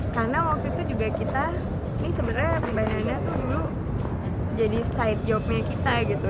karena waktu itu juga kita ini sebenernya banana tuh dulu jadi side jobnya kita gitu